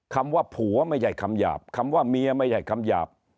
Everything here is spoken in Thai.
คำว่าผัวไม่ใช่คำหยาบคำว่าเมียไม่ใช่คำหยาบ